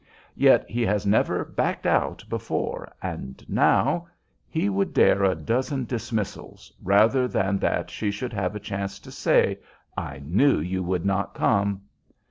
Yet he has never "backed out" before, and now he would dare a dozen dismissals rather than that she should have a chance to say, "I knew you would not come."